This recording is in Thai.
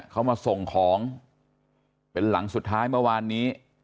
เขามาส่งของเป็นหลังสุดท้ายเมื่อวานนี้